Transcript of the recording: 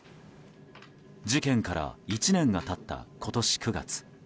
事件から１年が経った今年９月。